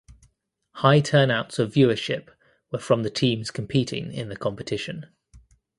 High turnouts of viewership were from the teams competing in the competition.